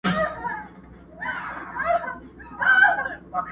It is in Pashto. مرګه ونیسه لمنه چي در لوېږم!!